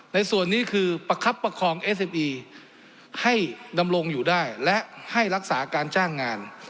ในส่วนนี้คือประคับประคองเอสเอ็มอีให้ดำรงอยู่ได้และให้รักษาการจ้างงาน